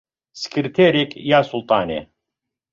سکرتێرێک... یا سوڵتانێ